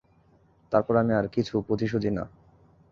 তারপর আমি আর কিছু বুঝিসুঝি না।